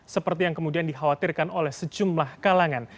seperti yang kemudian dikhawatirkan oleh sejumlah kalangan